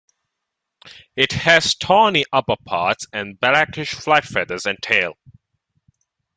It has tawny upperparts and blackish flight feathers and tail.